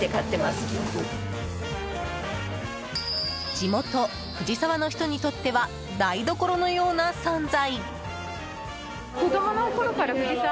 地元・藤沢の人にとっては台所のような存在。